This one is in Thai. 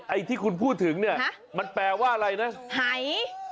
ไอ้ที่คุณพูดถึงเนี่ยมันแปลว่าอะไรนะหาย